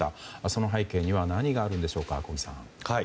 その背景には何があるんでしょうか小木さん。